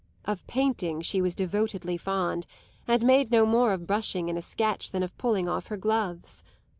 Of painting she was devotedly fond, and made no more of brushing in a sketch than of pulling off her gloves.